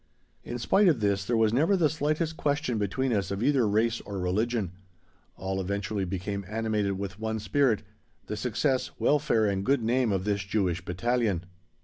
In spite of this there was never the very slightest question between us of either race or religion. All eventually became animated with one spirit the success, welfare and good name of this Jewish Battalion.